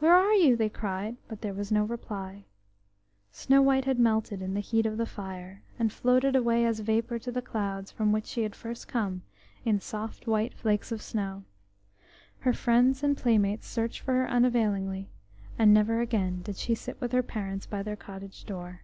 "Where are you?" they cried, but there was no reply. Snow white had melted in the heat of the fire, and floated away as vapour to the clouds from which she had first come in soft white flakes of snow. Her friends and playmates searched for her unavailingly, and never again did she sit with her parents by their cottage door.